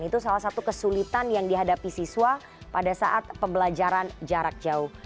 dan itu salah satu kesulitan yang dihadapi siswa pada saat pembelajaran jarak jauh